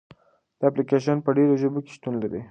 دا اپلیکیشن په ډېرو ژبو کې شتون لري.